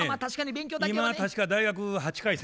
今確か大学８回生。